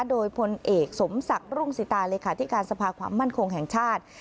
โดยพลเอกสมศักดิ์รุ่งสิตาเลขาธิการสภาความมั่นคงแห่งชาติ